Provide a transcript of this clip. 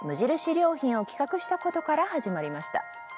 良品を企画したことから始まりました。